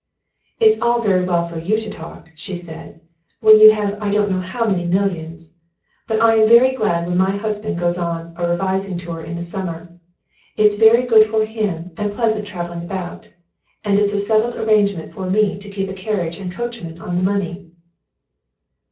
"It's all very well for you to talk," said she, "when you have I don't know how many millions; but I am very glad when my husband goes on a revising tour in the summer. It's very good for him and pleasant traveling about, and it's a settled arrangement for me to keep a carriage and coachman on the money."